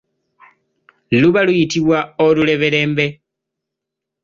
Luba luyitibwa oluleberembe.